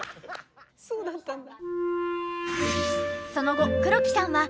そうだったんだ。